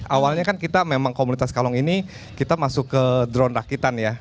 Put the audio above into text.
awalnya kan kita memang komunitas kalong ini kita masuk ke drone rakitan ya